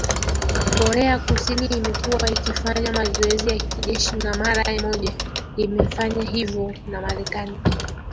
korea kusini imekuwa ikifanya mazoezi ya kijeshi na mara moja imefanya hivyo na marekani